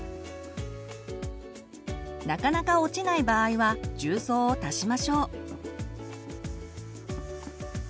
なかなか落ちない場合は重曹を足しましょう。